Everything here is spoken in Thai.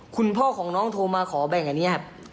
คุณพ่อของน้องโทรมาขอแบ่งอันนี้ครับ